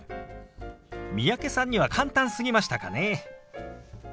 三宅さんには簡単すぎましたかね。